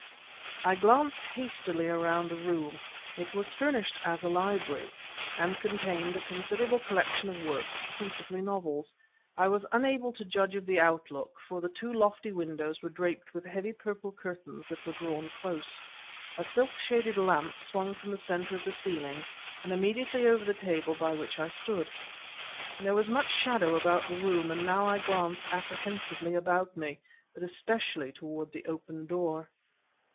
I glanced hastily around the room. It was furnished as a library, and contained a considerable collection of works, principally novels. I was unable to judge of the outlook, for the two lofty windows were draped with heavy purple curtains which were drawn close. A silk shaded lamp swung from the center of the ceiling, and immediately over the table by which I stood. There was much shadow about the room; and now I glanced apprehensively about me, but especially toward the open door.